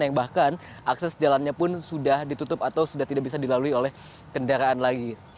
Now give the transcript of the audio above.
yang bahkan akses jalannya pun sudah ditutup atau sudah tidak bisa dilalui oleh kendaraan lagi